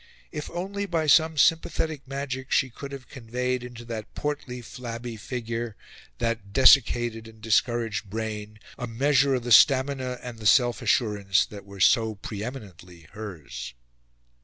If only, by some sympathetic magic, she could have conveyed into that portly, flabby figure, that desiccated and discouraged brain, a measure of the stamina and the self assurance which were so pre eminently hers!